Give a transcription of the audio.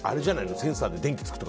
センサーで電気がつくとか。